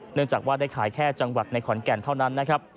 เนื่องจากว่าได้ขายแค่จังหวัดในขอนแก่นเท่านั้นนะครับ